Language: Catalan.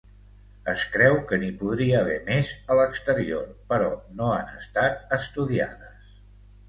Es creu que n'hi podria haver més a l'exterior, però no han estat estudiades.